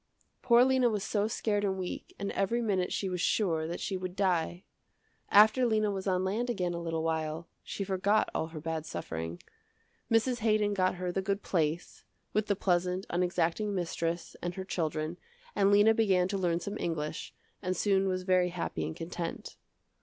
Poor Lena was so scared and weak, and every minute she was sure that she would die. After Lena was on land again a little while, she forgot all her bad suffering. Mrs. Haydon got her the good place, with the pleasant unexacting mistress, and her children, and Lena began to learn some English and soon was very happy and content.